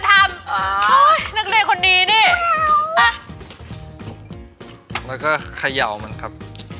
การทำอ๋อนักเรียคนดีนี่แล้วก็เขย่ามันครับ